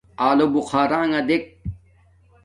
آلݸبُخݳرݺ دݵک.